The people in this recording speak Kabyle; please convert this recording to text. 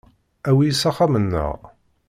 Awi-iyi s axxam-nneɣ.